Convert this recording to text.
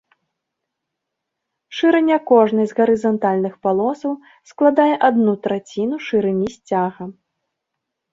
Шырыня кожнай з гарызантальных палосаў складае адну траціну шырыні сцяга.